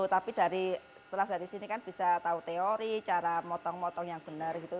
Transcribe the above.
tapi setelah dari sini kan bisa tahu teori cara motong motong yang benar gitu